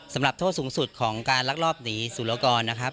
สำหรับโทษสูงสุดของการลักลอบหนีสุรกรนะครับ